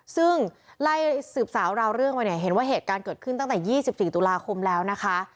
ซึ่งไล่สืบสาวราวเรื่องมาเนี่ยเห็นว่าเหตุการณ์เกิดขึ้นตั้งแต่๒๔ตุลาคมแล้วนะคะ